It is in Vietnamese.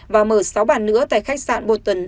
và mở sáu bàn nữa tại khách sạn bột tuần